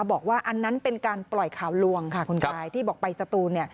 บอกว่าอันนั้นเป็นการปล่อยข่าวลวงค่ะคุณกายที่บอกไปสตูน